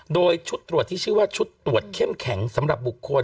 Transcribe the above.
โดยชุดตรวจที่ชื่อว่าชุดตรวจเข้มแข็งสำหรับบุคคล